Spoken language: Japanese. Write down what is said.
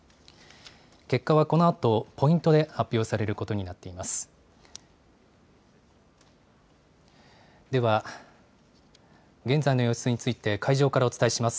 結果はこのあと、ポイントで発表されることになっています。